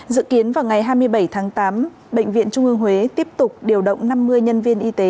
dự kiến vào ngày hai mươi bảy tháng tám bệnh viện trung ương huế tiếp tục điều động năm mươi nhân viên y tế